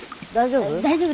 大丈夫？